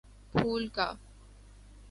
پھول کا